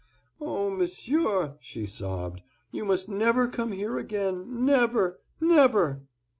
"Oh, Monsieur," she sobbed, "you must never come here again, never—never!"